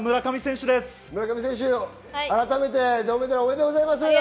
村上選手、改めて銅メダル、おめでとうございます！